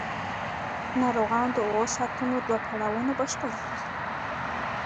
ناروغان د اوو ساعتونو دوه پړاوونه بشپړ کړل.